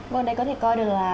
vâng đây có thể coi được là